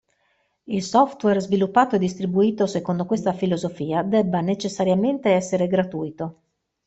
Il software sviluppato e distribuito secondo questa filosofia debba necessariamente essere gratuito.